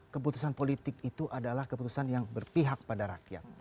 keputusan politik itu adalah keputusan yang berpihak pada rakyat